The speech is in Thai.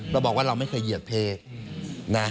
เราบอกว่าเราไม่เคยเหยียดเพนะ